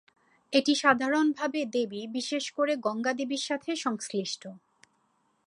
এটি সাধারণভাবে দেবী বিশেষ করে গঙ্গা দেবীর সঙ্গে সংশ্লিষ্ট।